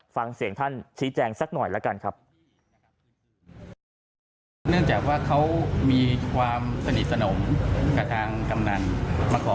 ฟังเสียงท่านชี้แจงสักหน่อยละกันครับ